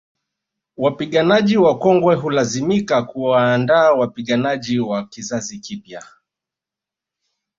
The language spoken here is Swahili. Wapiganaji wakongwe hulazimika kuwaandaa wapiganaji wa kizazi kipya